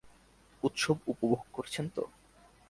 উৎসব উপভোগ করছেন তো?